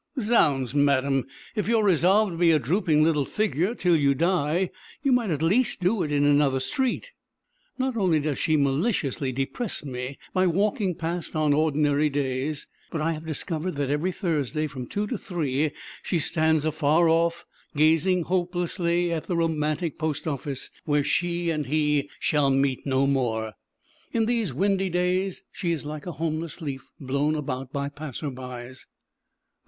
Zounds, madam, if you are resolved to be a drooping little figure till you die, you might at least do it in another street. Not only does she maliciously depress me by walking past on ordinary days, but I have discovered that every Thursday from two to three she stands afar off, gazing hopelessly at the romantic post office where she and he shall meet no more. In these windy days she is like a homeless leaf blown about by passers by.